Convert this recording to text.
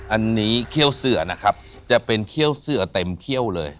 อันนี้เขี้ยวเสือนะครับจะเป็นเขี้ยวเสือเต็มเขี้ยวเลย